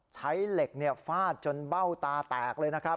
ใช้เหล็กฟาดจนเบ้าตาแตกเลยนะครับ